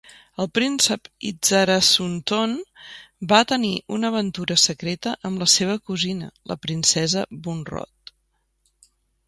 El Príncep Itsarasunthon va tenir una aventura secreta amb la seva cosina, la Princesa Bunrod.